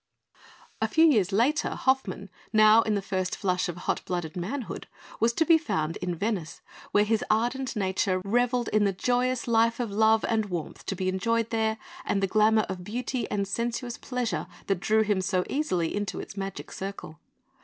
A few years later, Hoffmann, now in the first flush of hot blooded manhood, was to be found in Venice, where his ardent nature revelled in the joyous life of love and warmth to be enjoyed there and the glamour of beauty and sensuous pleasure that drew him so easily into its magic circle.